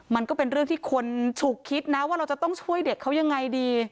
มันก็เป็นเรื่องที่คนฉุกคิดนะว่าเราจะต้องช่วยเด็กเขายังไงดี